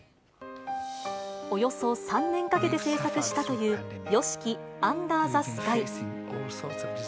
およそ３年かけて製作したという、ＹＯＳＨＩＫＩアンダーザスカイ。